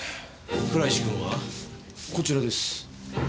倉石君は？こちらです。